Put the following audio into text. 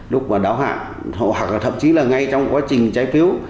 lúc mà đáo hạn hoặc là thậm chí là ngay trong quá trình trái phiếu